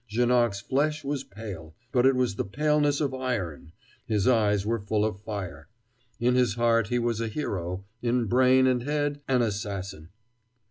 Janoc's flesh was pale, but it was the paleness of iron, his eyes were full of fire. In his heart he was a hero, in brain and head an assassin!